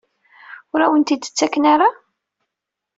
Ur awen-t-id-ttaken ara?